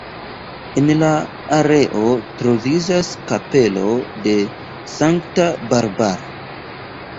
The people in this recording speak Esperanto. En la areo troviĝas kapelo de sankta Barbara.